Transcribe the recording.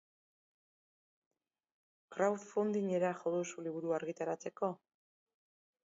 Crowdfundingera jo duzu liburua argitaratzeko?